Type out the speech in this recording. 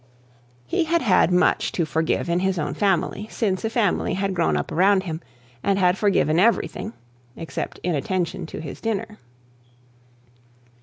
He had had much to forgive in his own family, since a family had grown up around him, and had forgiven everything except inattention to his dinner.